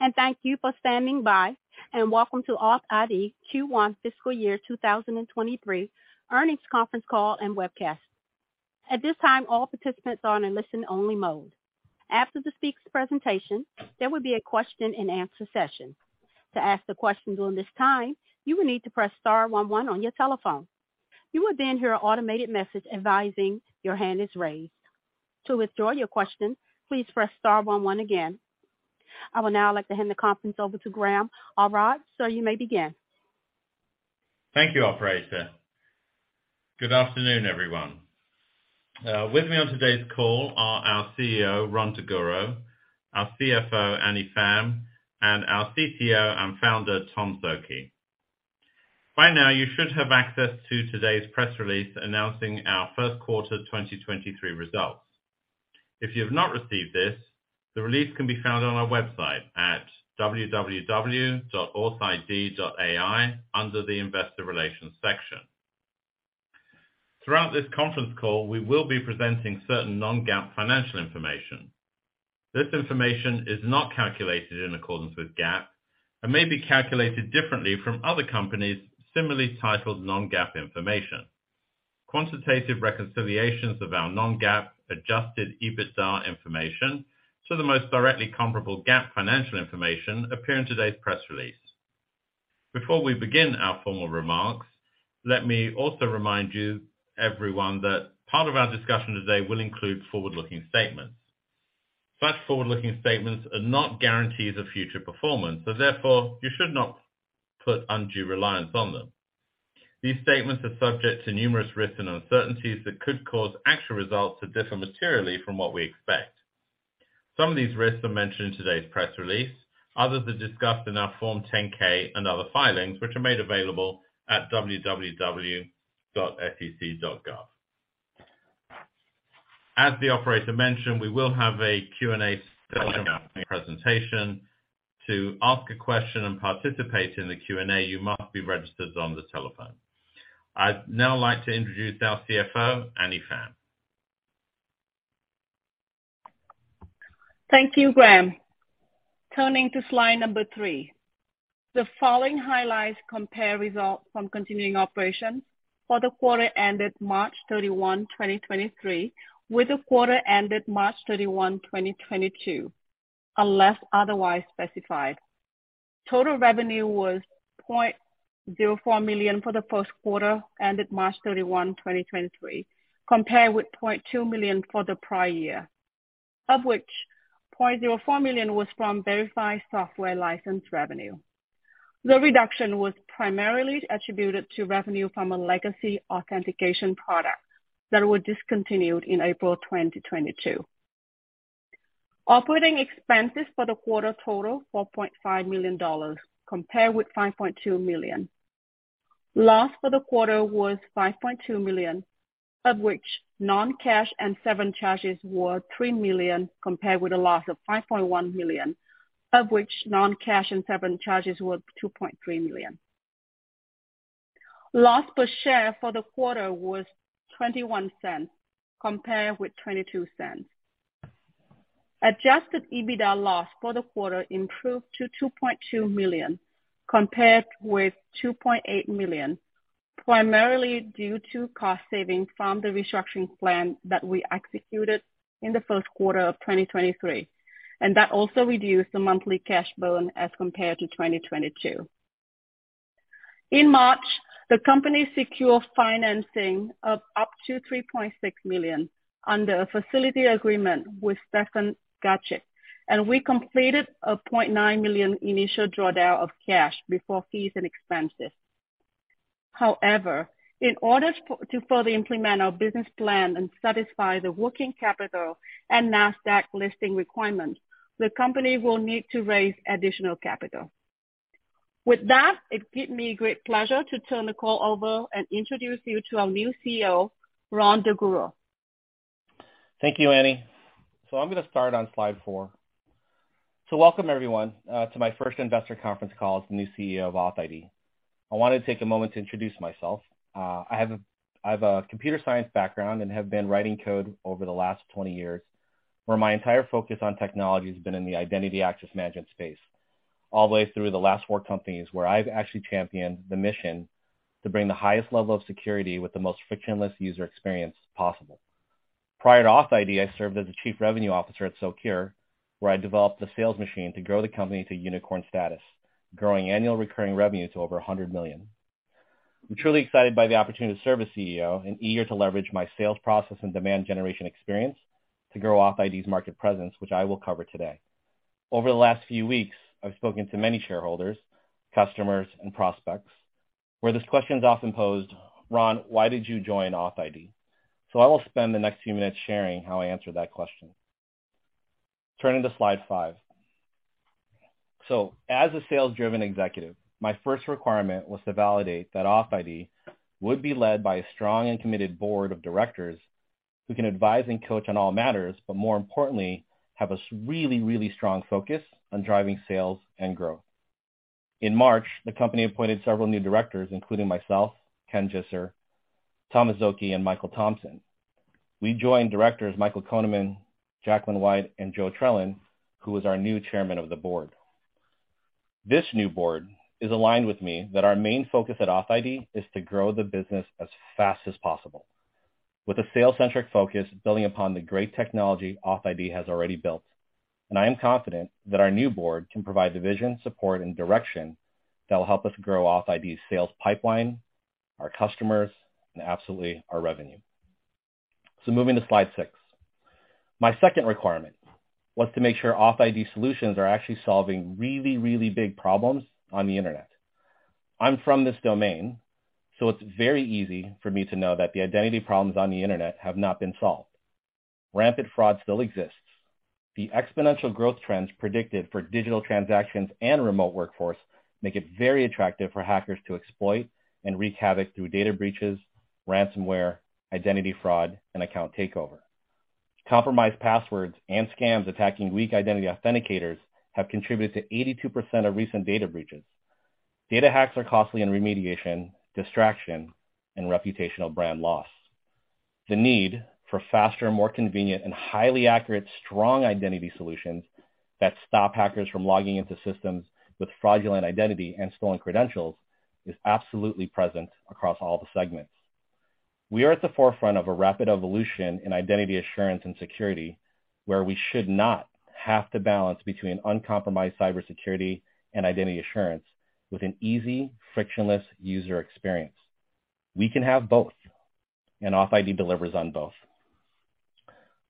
Hello, and thank you for standing by, and Welcome to authID Q1 fiscal year 2023 Earnings Conference Call and Webcast. At this time, all participants are in listen only mode. After the speaker's presentation, there will be a question-and-answer session. To ask the question during this time, you will need to press star one one on your telephone. You will then hear an automated message advising your hand is raised. To withdraw your question, please press star one one again. I would now like to hand the conference over to Graham Arad, sir you may begin. Thank you, operator. Good afternoon, everyone. With me on today's call are our CEO, Rhon Daguro, our CFO, Annie Pham, and our CTO and Founder, Thomas Szoke. By now, you should have access to today's press release announcing our Q1 2023 results. If you have not received this, the release can be found on our website at www.authid.ai under the investor relations section. Throughout this conference call, we will be presenting certain non-GAAP financial information. This information is not calculated in accordance with GAAP and may be calculated differently from other companies similarly titled non-GAAP information. Quantitative reconciliations of our non-GAAP adjusted EBITDA information to the most directly comparable GAAP financial information appear in today's press release. Before we begin our formal remarks, let me also remind you everyone that part of our discussion today will include forward-looking statements. Such forward-looking statements are not guarantees of future performance, therefore, you should not put undue reliance on them. These statements are subject to numerous risks and uncertainties that could cause actual results to differ materially from what we expect. Some of these risks are mentioned in today's press release. Others are discussed in our Form 10-K and other filings, which are made available at www.sec.gov. The operator mentioned, we will have a Q&A session after the presentation. To ask a question and participate in the Q&A, you must be registered on the telephone. I'd now like to introduce our CFO, Annie Pham. Thank you, Graham. Turning to slide number three. The following highlights compare results from continuing operations for the quarter ended March 31, 2023, with the quarter ended March 31, 2022, unless otherwise specified. Total revenue was $0.04 million for the Q1 ended March 31, 2023, compared with $0.2 million for the prior year, of which $0.04 million was from Verified software license revenue. The reduction was primarily attributed to revenue from a legacy authentication product that was discontinued in April 2022. Operating expenses for the quarter totaled $4.5 million, compared with $5.2 million. Loss for the quarter was $5.2 million, of which non-cash and severance charges were $3 million, compared with a loss of $5.1 million, of which non-cash and severance charges were $2.3 million. Loss per share for the quarter was $0.21 compared with $0.22. adjusted EBITDA loss for the quarter improved to $2.2 million compared with $2.8 million, primarily due to cost saving from the restructuring plan that we executed in the Q1 of 2023, and that also reduced the monthly cash burn as compared to 2022. In March, the company secured financing of up to $3.6 million under a facility agreement with Stephen Garchik. We completed a $0.9 million initial drawdown of cash before fees and expenses. However, in order to further implement our business plan and satisfy the working capital and Nasdaq listing requirement, the company will need to raise additional capital. With that, it gives me great pleasure to turn the call over and introduce you to our new CEO, Rhon Daguro. Thank you, Annie. I'm gonna start on slide four. Welcome, everyone, to my first investor conference call as the new CEO of authID. I want to take a moment to introduce myself. I have a computer science background and have been writing code over the last 20 years, where my entire focus on technology has been in the identity access management space, all the way through the last four companies where I've actually championed the mission to bring the highest level of security with the most frictionless user experience possible. Prior to authID, I served as the Chief Revenue Officer at Socure, where I developed a sales machine to grow the company to unicorn status, growing annual recurring revenue to over $100 million. I'm truly excited by the opportunity to serve as CEO and eager to leverage my sales process and demand generation experience to grow authID's market presence, which I will cover today. Over the last few weeks, I've spoken to many shareholders, customers, and prospects, where this question is often posed, Rhon, why did you join authID? I will spend the next few minutes sharing how I answer that question. Turning to slide five. As a sales-driven executive, my first requirement was to validate that authID would be led by a strong and committed board of directors who can advise and coach on all matters, but more importantly, have a really strong focus on driving sales and growth. In March, the company appointed several new directors, including myself, Ken Jisser, Thomas Szoke, and Michael Thompson. We joined directors Michael Koehneman, Jacqueline White, and Joe Trelin, who is our new Chairman of the Board. This new board is aligned with me that our main focus at authID is to grow the business as fast as possible with a sales-centric focus building upon the great technology authID has already built. I am confident that our new board can provide the vision, support, and direction that will help us grow authID's sales pipeline, our customers, and absolutely our revenue. Moving to slide six. My second requirement was to make sure authID solutions are actually solving really, really big problems on the Internet. I'm from this domain, so it's very easy for me to know that the identity problems on the Internet have not been solved. Rampant fraud still exists. The exponential growth trends predicted for digital transactions and remote workforce make it very attractive for hackers to exploit and wreak havoc through data breaches, ransomware, identity fraud, and account takeover. Compromised passwords and scams attacking weak identity authenticators have contributed to 82% of recent data breaches. Data hacks are costly in remediation, distraction, and reputational brand loss. The need for faster, more convenient, and highly accurate, strong identity solutions that stop hackers from logging into systems with fraudulent identity and stolen credentials is absolutely present across all the segments. We are at the forefront of a rapid evolution in identity assurance and security, where we should not have to balance between uncompromised cybersecurity and identity assurance with an easy, frictionless user experience. We can have both. authID delivers on both.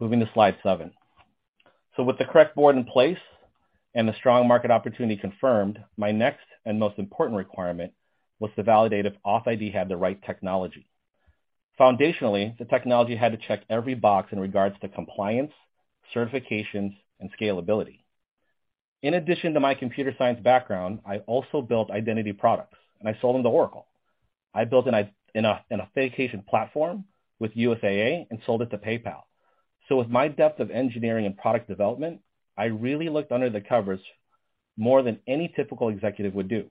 Moving to slide seven. With the correct board in place and the strong market opportunity confirmed, my next and most important requirement was to validate if authID had the right technology. Foundationally, the technology had to check every box in regards to compliance, certifications, and scalability. In addition to my computer science background, I also built identity products, and I sold them to Oracle. I built an authentication platform with USAA and sold it to PayPal. With my depth of engineering and product development, I really looked under the covers more than any typical executive would do.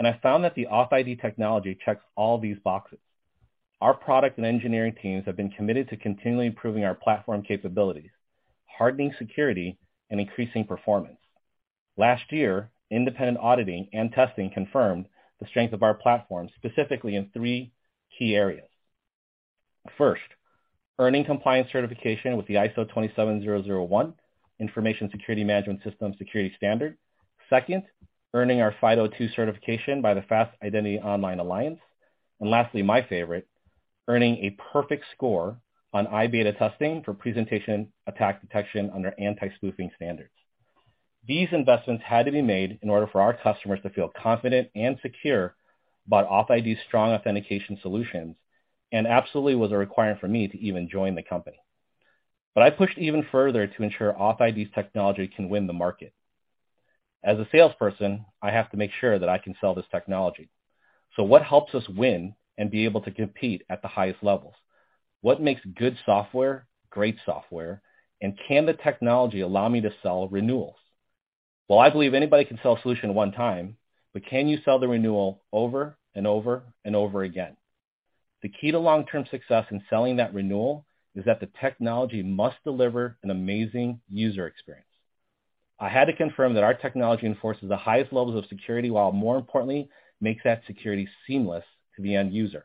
I found that the authID technology checks all these boxes. Our product and engineering teams have been committed to continually improving our platform capabilities, hardening security and increasing performance. Last year, independent auditing and testing confirmed the strength of our platform, specifically in three key areas. First, earning compliance certification with the ISO 27001 Information Security Management System security standard. Second, earning our FIDO2 certification by the Fast Identity Online Alliance. Lastly, my favorite, earning a perfect score on iBeta testing for presentation attack detection under anti-spoofing standards. These investments had to be made in order for our customers to feel confident and secure about authID's strong authentication solutions, and absolutely was a requirement for me to even join the company. I pushed even further to ensure authID's technology can win the market. As a salesperson, I have to make sure that I can sell this technology. What helps us win and be able to compete at the highest levels? What makes good software great software? Can the technology allow me to sell renewals? Well, I believe anybody can sell a solution one time, but can you sell the renewal over and over and over again? The key to long-term success in selling that renewal is that the technology must deliver an amazing user experience. I had to confirm that our technology enforces the highest levels of security while, more importantly, makes that security seamless to the end user.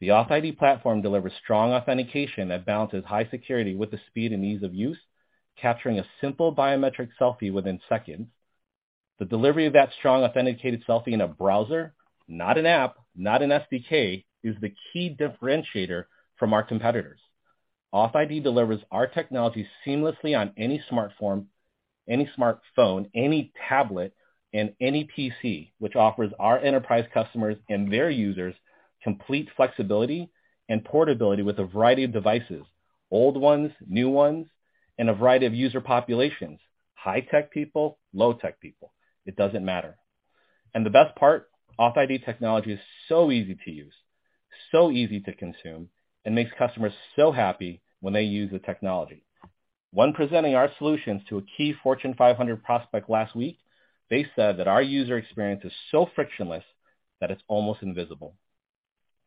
The authID platform delivers strong authentication that balances high security with the speed and ease of use, capturing a simple biometric selfie within seconds. The delivery of that strong authenticated selfie in a browser, not an app, not an SDK, is the key differentiator from our competitors. authID delivers our technology seamlessly on any smartphone, any tablet, and any PC, which offers our enterprise customers and their users complete flexibility and portability with a variety of devices, old ones, new ones, and a variety of user populations, high-tech people, low-tech people. It doesn't matter. The best part, authID technology is so easy to use, so easy to consume, and makes customers so happy when they use the technology. When presenting our solutions to a key Fortune 500 prospect last week, they said that our user experience is so frictionless that it's almost invisible.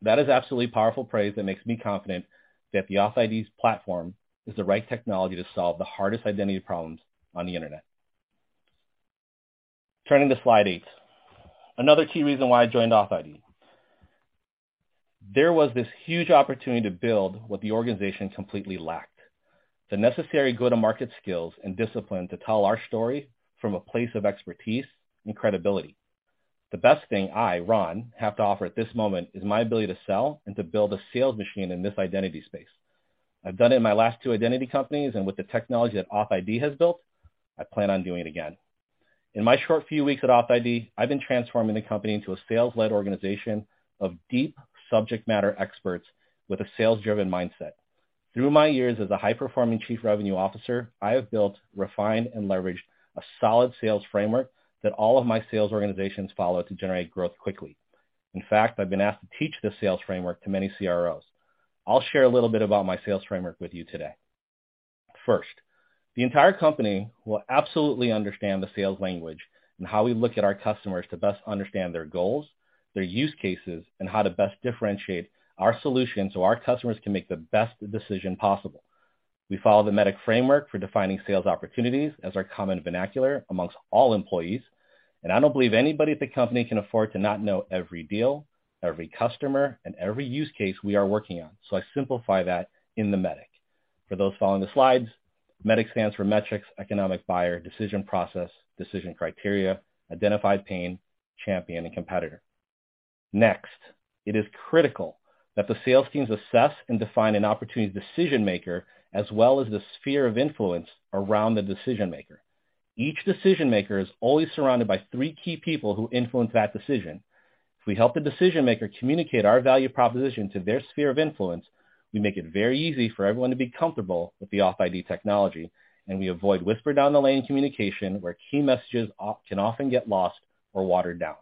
That is absolutely powerful praise that makes me confident that the authID's platform is the right technology to solve the hardest identity problems on the Internet. Turning to slide eight. Another key reason why I joined authID. There was this huge opportunity to build what the organization completely lacked, the necessary go-to-market skills and discipline to tell our story from a place of expertise and credibility. The best thing I, Rhon, have to offer at this moment is my ability to sell and to build a sales machine in this identity space. I've done it in my last two identity companies, and with the technology that authID has built, I plan on doing it again. In my short few weeks at authID, I've been transforming the company into a sales-led organization of deep subject matter experts with a sales-driven mindset. Through my years as a high-performing chief revenue officer, I have built, refined, and leveraged a solid sales framework that all of my sales organizations follow to generate growth quickly. In fact, I've been asked to teach this sales framework to many CROs. I'll share a little bit about my sales framework with you today. First, the entire company will absolutely understand the sales language and how we look at our customers to best understand their goals, their use cases, and how to best differentiate our solution so our customers can make the best decision possible. We follow the MEDDIC framework for defining sales opportunities as our common vernacular amongst all employees. I don't believe anybody at the company can afford to not know every deal, every customer, and every use case we are working on. I simplify that in the MEDDIC. For those following the slides, MEDDIC stands for metrics, economic buyer, decision process, decision criteria, identified pain, champion, and competitor. Next, it is critical that the sales teams assess and define an opportunity decision-maker, as well as the sphere of influence around the decision-maker. Each decision-maker is always surrounded by three key people who influence that decision. If we help the decision-maker communicate our value proposition to their sphere of influence, we make it very easy for everyone to be comfortable with the authID technology. We avoid whisper-down-the-lane communication, where key messages can often get lost or watered down.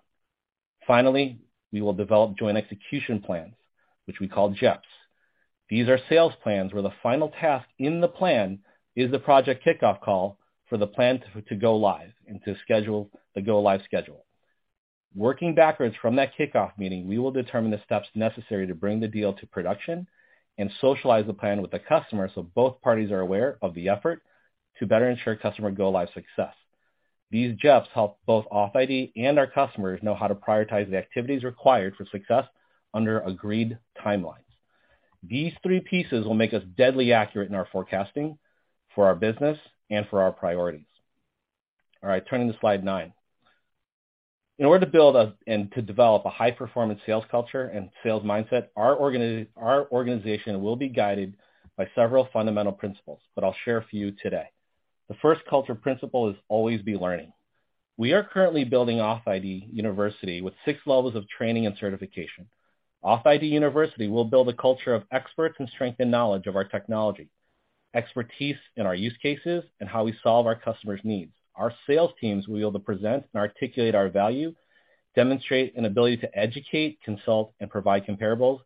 Finally, we will develop Joint Execution Plans, which we call JEPs. These are sales plans where the final task in the plan is the project kickoff call for the plan to go live and to schedule the go-live schedule. Working backwards from that kickoff meeting, we will determine the steps necessary to bring the deal to production and socialize the plan with the customer so both parties are aware of the effort to better ensure customer go-live success. These JEPs help both authID and our customers know how to prioritize the activities required for success under agreed timelines. These three pieces will make us deadly accurate in our forecasting for our business and for our priorities. All right, turning to slide nine. In order to develop a high-performance sales culture and sales mindset, our organization will be guided by several fundamental principles that I'll share for you today. The first culture principle is always be learning. We are currently building authID University with six levels of training and certification. authID University will build a culture of experts and strengthen knowledge of our technology, expertise in our use cases, and how we solve our customers' needs. Our sales teams will be able to present and articulate our value, demonstrate an ability to educate, consult, and provide comparables,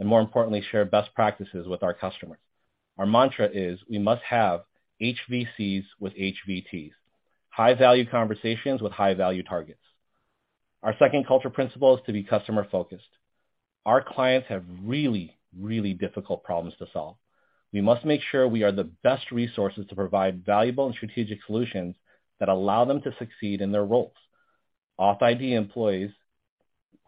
and more importantly, share best practices with our customers. Our mantra is we must have HVCs with HVT, high-value conversations with high-value targets. Our second culture principle is to be customer-focused. Our clients have really difficult problems to solve. We must make sure we are the best resources to provide valuable and strategic solutions that allow them to succeed in their roles. authID employees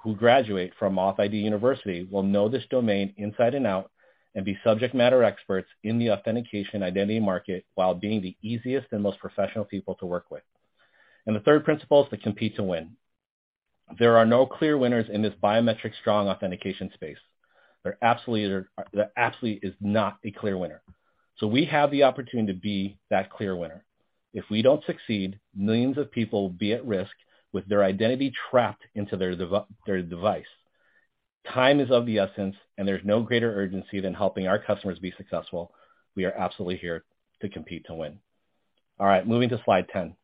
who graduate from authID University will know this domain inside and out and be subject matter experts in the authentication identity market while being the easiest and most professional people to work with. The third principle is to compete to win. There are no clear winners in this biometric strong authentication space. There absolutely is not a clear winner. We have the opportunity to be that clear winner. If we don't succeed, millions of people will be at risk, with their identity trapped into their device. Time is of the essence, and there's no greater urgency than helping our customers be successful. We are absolutely here to compete to win. All right, moving to slide 10.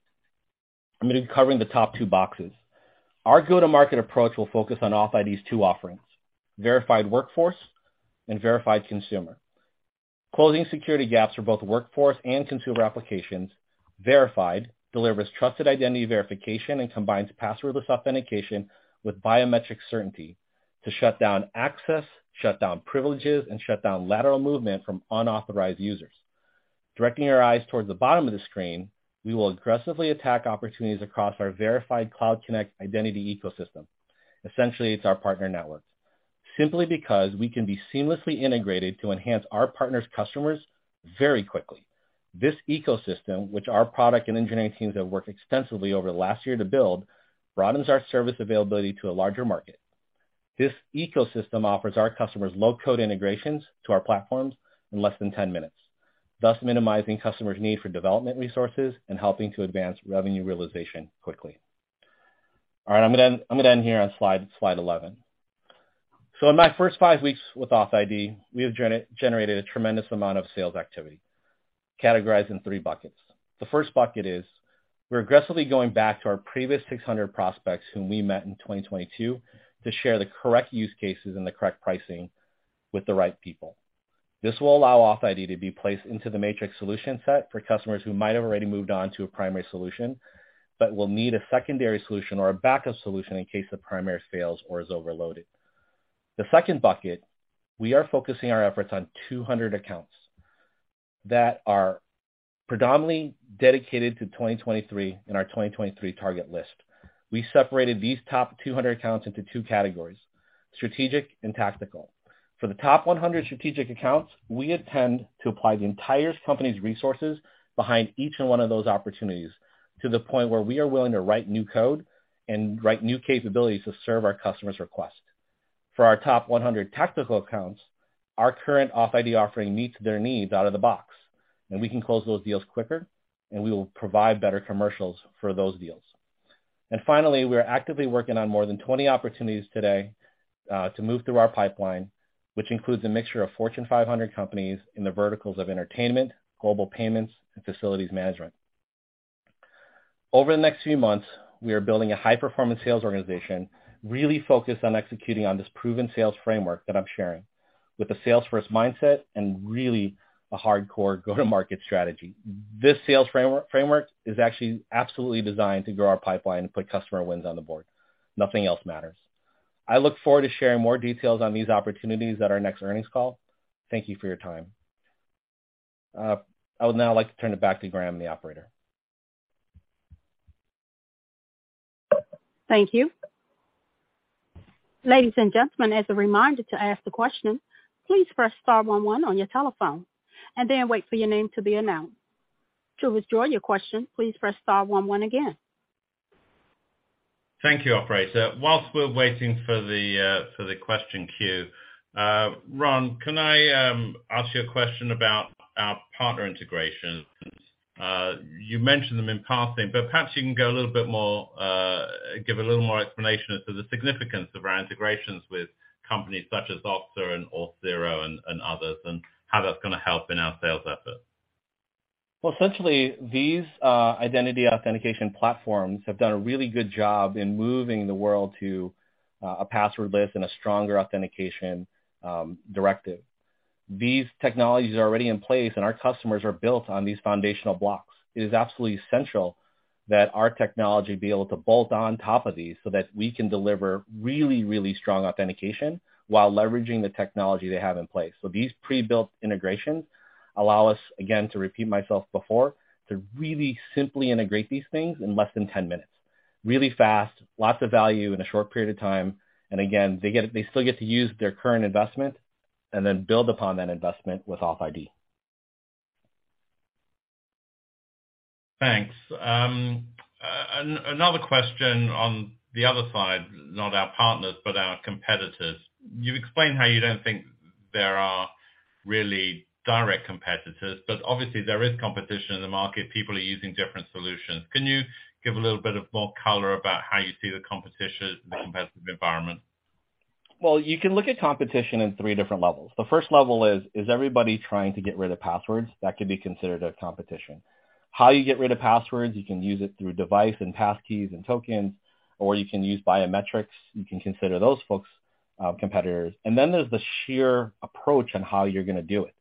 I'm gonna be covering the top two boxes. Our go-to-market approach will focus on authID's two offerings, Verified Workforce and Verified Consumer. Closing security gaps for both workforce and consumer applications, Verified delivers trusted identity verification and combines passwordless authentication with biometric certainty to shut down access, shut down privileges, and shut down lateral movement from unauthorized users. Directing our eyes towards the bottom of the screen, we will aggressively attack opportunities across our Verified Cloud Connect identity ecosystem. Essentially, it's our partner networks. Simply because we can be seamlessly integrated to enhance our partners' customers very quickly. This ecosystem, which our product and engineering teams have worked extensively over the last year to build, broadens our service availability to a larger market. This ecosystem offers our customers low-code integrations to our platforms in less than 10 minutes, thus minimizing customers' need for development resources and helping to advance revenue realization quickly. All right. I'm gonna end here on slide 11. In my first five weeks with authID, we have generated a tremendous amount of sales activity, categorized in three buckets. The first bucket is we're aggressively going back to our previous 600 prospects whom we met in 2022 to share the correct use cases and the correct pricing with the right people. This will allow authID to be placed into the matrix solution set for customers who might have already moved on to a primary solution but will need a secondary solution or a backup solution in case the primary fails or is overloaded. The second bucket, we are focusing our efforts on 200 accounts that are predominantly dedicated to 2023 and our 2023 target list. We separated these top 200 accounts into two categories, strategic and tactical. For the top 100 strategic accounts, we intend to apply the entire company's resources behind each and one of those opportunities to the point where we are willing to write new code and write new capabilities to serve our customers' requests. For our top 100 tactical accounts, our current authID offering meets their needs out of the box, and we can close those deals quicker, and we will provide better commercials for those deals. Finally, we are actively working on more than 20 opportunities today to move through our pipeline, which includes a mixture of Fortune 500 companies in the verticals of entertainment, global payments, and facilities management. Over the next few months, we are building a high-performance sales organization really focused on executing on this proven sales framework that I'm sharing with a sales first mindset and really a hardcore go-to-market strategy. This sales framework is actually absolutely designed to grow our pipeline and put customer wins on the board. Nothing else matters. I look forward to sharing more details on these opportunities at our next earnings call. Thank you for your time. I would now like to turn it back to Graham, the operator. Thank you. Ladies and gentlemen, as a reminder, to ask the question, please press star one one on your telephone and then wait for your name to be announced. To withdraw your question, please press star one one again. Thank you, operator. Whilst we're waiting for the for the question queue, Rhon, can I ask you a question about our partner integrations? You mentioned them in passing, but perhaps you can go a little bit more, give a little more explanation as to the significance of our integrations with companies such as Okta and Auth0 and others and how that's gonna help in our sales efforts. Well, essentially these identity authentication platforms have done a really good job in moving the world to, a passwordless and a stronger authentication directive. These technologies are already in place. Our customers are built on these foundational blocks. It is absolutely essential that our technology be able to bolt on top of these so that we can deliver really, really strong authentication while leveraging the technology they have in place. These pre-built integrations allow us, again, to repeat myself before, to really simply integrate these things in less than 10 minutes, really fast, lots of value in a short period of time. Again, they still get to use their current investment and then build upon that investment with authID. Thanks. Another question on the other side, not our partners, but our competitors. You explained how you don't think there are really direct competitors, but obviously there is competition in the market. People are using different solutions. Can you give a little bit of more color about how you see the competition and the competitive environment? Well, you can look at competition in three different levels. The first level is everybody trying to get rid of passwords? That could be considered a competition. How you get rid of passwords, you can use it through device and passkeys and tokens, or you can use biometrics. You can consider those folks, competitors. Then there's the sheer approach on how you're gonna do it.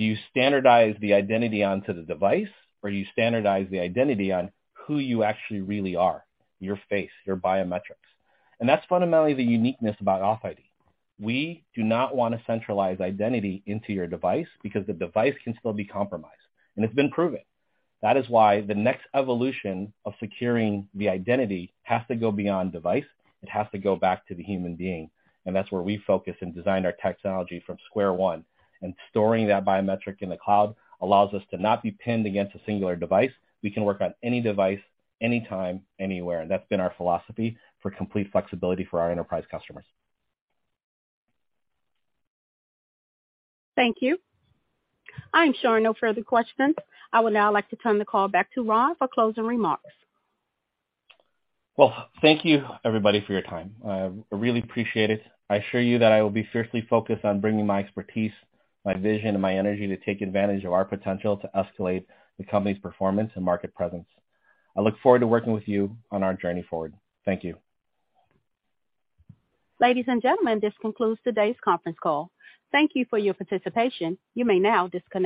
Do you standardize the identity onto the device, or you standardize the identity on who you actually really are, your face, your biometrics? That's fundamentally the uniqueness about authID. We do not wanna centralize identity into your device because the device can still be compromised, and it's been proven. That is why the next evolution of securing the identity has to go beyond device. It has to go back to the human being, and that's where we focus and design our technology from square one. Storing that biometric in the cloud allows us to not be pinned against a singular device. We can work on any device, anytime, anywhere. That's been our philosophy for complete flexibility for our enterprise customers. Thank you. I'm showing no further questions. I would now like to turn the call back to Rhon for closing remarks. Well, thank you everybody for your time. I really appreciate it. I assure you that I will be fiercely focused on bringing my expertise, my vision and my energy to take advantage of our potential to escalate the company's performance and market presence. I look forward to working with you on our journey forward. Thank you. Ladies and gentlemen, this concludes today's conference call. Thank you for your participation. You may now disconnect.